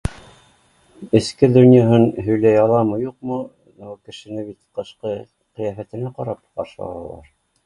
Эске донъяһын һөйләй аламы, юҡмы? Кешене тышҡы ҡиәфәтенә ҡарап ҡаршы алалар.